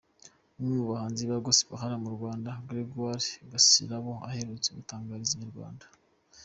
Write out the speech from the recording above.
Umwe mu bahanzi ba Gospel hano mu Rwanda, Gregoir Gasirabo aherutse gutangariza Inyarwanda.